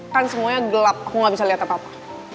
kan semuanya gelap aku gak bisa lihat apa apa